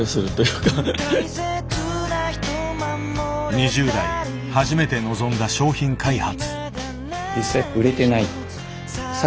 ２０代初めて臨んだ商品開発。